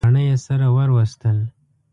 باڼه یې سره ور وستل.